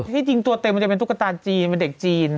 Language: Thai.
ที่จริงตัวเต็มมันจะเป็นตุ๊กตาจีนเป็นเด็กจีน